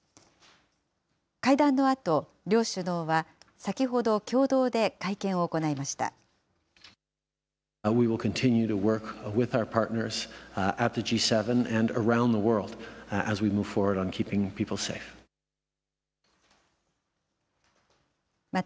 会談のあと、両首脳は、先ほど共同で会見を行いました。